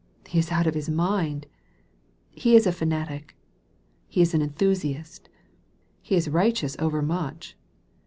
" He is out of his mind." "He is a fanatic." "He is an enthusiast." "He is righteous over much."